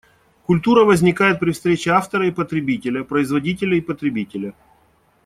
Культура возникает при встрече автора и потребителя, производителя и потребителя.